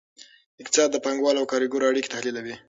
اقتصاد د پانګوالو او کارګرو اړیکې تحلیلوي.